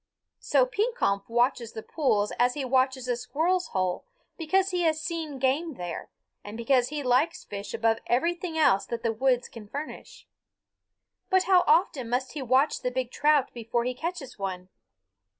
So Pekompf watches the pools as he watches a squirrel's hole because he has seen game there and because he likes fish above everything else that the woods can furnish. But how often must he watch the big trout before he catches one?